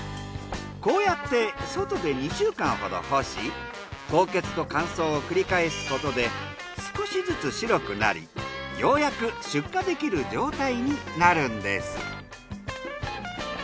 こうやって外で２週間ほど干し凍結と乾燥を繰り返すことで少しずつ白くなりようやく出荷できる状態になるんです。